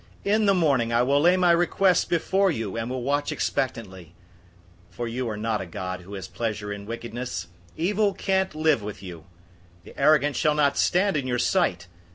In the morning I will lay my requests before you, and will watch expectantly. 005:004 For you are not a God who has pleasure in wickedness. Evil can't live with you. 005:005 The arrogant shall not stand in your sight.